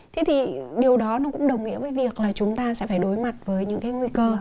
thế thì điều đó nó cũng đồng nghĩa với việc là chúng ta sẽ phải đối mặt với những cái nguy cơ